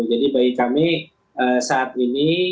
jadi bagi kami saat ini